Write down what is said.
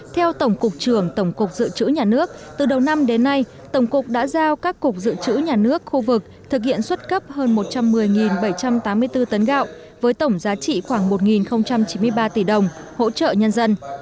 theo tổng cục trưởng tổng cục dự trữ nhà nước từ đầu năm đến nay tổng cục đã giao các cục dự trữ nhà nước khu vực thực hiện xuất cấp hơn một trăm một mươi bảy trăm tám mươi bốn tấn gạo với tổng giá trị khoảng một chín mươi ba tỷ đồng hỗ trợ nhân dân